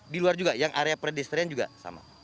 di luar juga yang area perdestrian juga sama